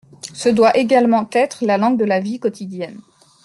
Ce doit également être la langue de la vie quotidienne.